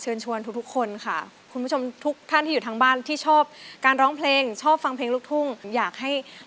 เอาล่ะมาถึงด้านล่างค่ะทั้ง๕ท่านค่ะ